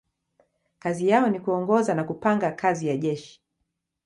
Kazi yao ni kuongoza na kupanga kazi ya jeshi.